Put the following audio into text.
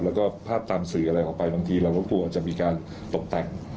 แล้วก็ภาพตามสื่ออะไรออกไปบางทีเราก็กลัวจะมีการตกแต่ง